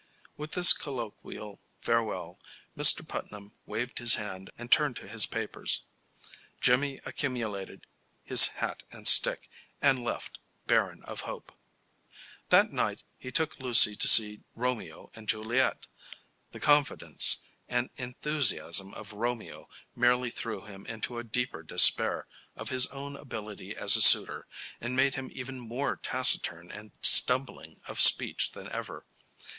With this colloquial farewell Mr. Putnam waved his hand and turned to his papers. Jimmy accumulated his hat and stick, and left, barren of hope. That night he took Lucy to see "Romeo and Juliet." The confidence and enthusiasm of Romeo merely threw him into a deeper despair of his own ability as a suitor, and made him even more taciturn and stumbling of speech than ever.